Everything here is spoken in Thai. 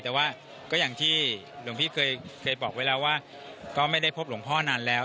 แต่ว่าก็อย่างที่หลวงพี่เคยบอกไว้แล้วว่าก็ไม่ได้พบหลวงพ่อนานแล้ว